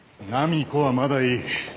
波子はまだいい。